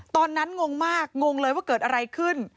งงมากงงเลยว่าเกิดอะไรขึ้น